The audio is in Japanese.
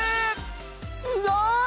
すごい！